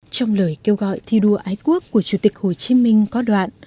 trong lời kêu gọi thi đua ái quốc của chủ tịch hồ chí minh có đoạn